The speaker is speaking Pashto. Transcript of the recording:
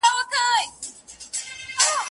دا جلادان ستا له زاریو سره کار نه لري